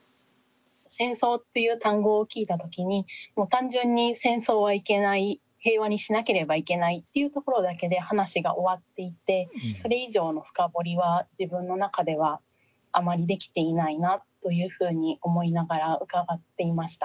戦争っていう単語を聞いた時に単純に戦争はいけない平和にしなければいけないっていうところだけで話が終わっていてそれ以上の深掘りは自分の中ではあまりできていないなというふうに思いながら伺っていました。